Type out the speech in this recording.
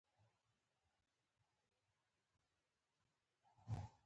راځئ چې خپلې پښتو لپاره کار وکړو